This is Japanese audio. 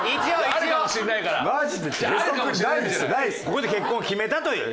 ここで結婚を決めたという。